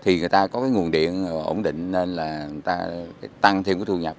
thì người ta có cái nguồn điện ổn định nên là người ta tăng thêm cái thu nhập